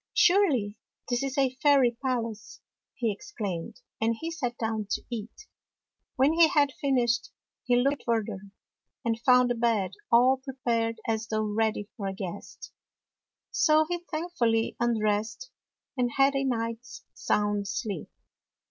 "Surely this is a fairy palace!" he ex claimed; and he sat down to eat. When he had finished, he looked further, [ 80 ] BEAUTY AND THE BEAST and found a bed all prepared as though ready for a guest. So he thankfully un dressed and had a night's sound sleep.